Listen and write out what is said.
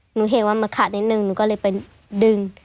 เห็นว่ามันขาดนิดนึงหนูก็เลยไปดึง